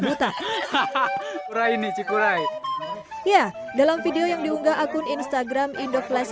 buta hahaha kurang ini cikgu rai ya dalam video yang diunggah akun instagram indoflash